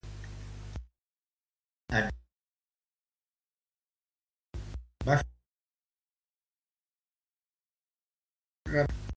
En Charles Champlin, a "Los Angeles Times", va subratllar com de diferents són en Fleming i en Gardner.